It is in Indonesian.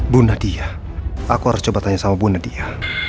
bu nadia aku harus coba tanya sama bu nadia